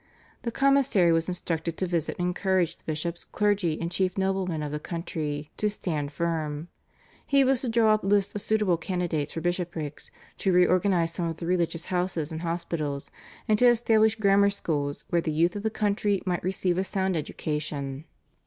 The commissary was instructed to visit and encourage the bishops, clergy, and chief noblemen of the country to stand firm; he was to draw up lists of suitable candidates for bishoprics, to re organise some of the religious houses and hospitals, and to establish grammar schools where the youth of the country might receive a sound education.